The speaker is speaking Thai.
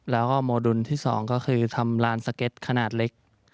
แล้วก็โมดุลที่๒ก็คือทำร้านสเก็ตขนาดเล็ก